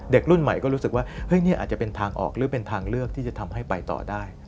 รุ่นใหม่ก็รู้สึกว่าเฮ้ยนี่อาจจะเป็นทางออกหรือเป็นทางเลือกที่จะทำให้ไปต่อได้